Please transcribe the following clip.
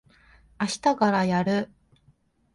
あしたからやる。